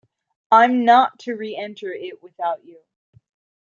I’m not to re-enter it without you!